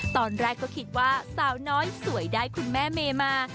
ตอนแรกก็คิดว่าสาวน้อยสวยได้คุณแม่เมมา